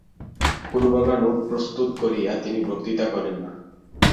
কোন প্রকার নোট প্রস্তুত করিয়া তিনি বক্তৃতা করেন না।